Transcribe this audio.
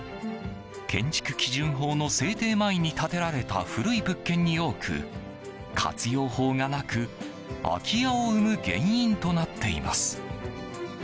建築基準法の制定前に建てられた古い物件に多く活用法がなく、空き家を生む原因となっています。